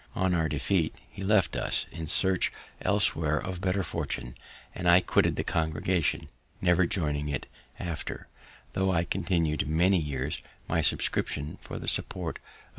On our defeat, he left us in search elsewhere of better fortune, and I quitted the congregation, never joining it after, tho' I continu'd many years my subscription for the support of its ministers.